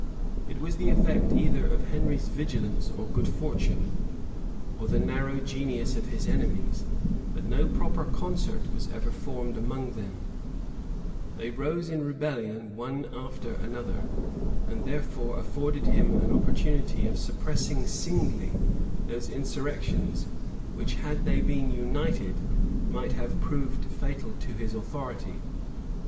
It was the effect either of Henry's vigilance or good fortune, or of the narrow genius of his enemies, that no proper concert was ever formed among them: they rose in rebellion one after another; and thereby afforded him an opportunity of suppressing singly those insurrections which, had they been united, might have proved fatal to his authority.